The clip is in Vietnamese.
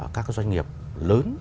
các cái doanh nghiệp lớn